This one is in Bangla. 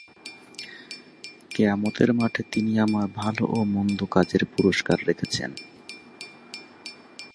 তিনি স্টার প্লাসে প্রচারিত "জানা না দিল সে দূর" নামক নাটকে অভিনয়ের মাধ্যমে জনপ্রিয়তা অর্জন করেছেন।